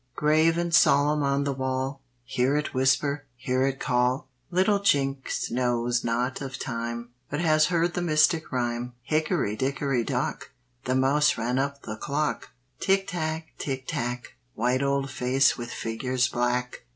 Grave and solemn on the wall, Hear it whisper! hear it call! Little Ginx knows naught of Time, But has heard the mystic rhyme, "Hickory, dickory, dock! The mouse ran up the clock!" Tick tack! tick tack! White old face with figures black!